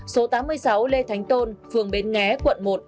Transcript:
số tám mươi sáu lê thánh tôn phường bến nghé quận một